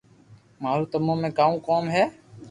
مارو تمو ۾ ڪاؤ ڪوم ھي